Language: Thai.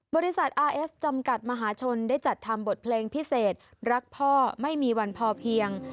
บริษัทอาร์เอสจำกัดมหาชนได้จัดทำบทเพลงพิเศษรักพ่อไม่มีวันพอเพียง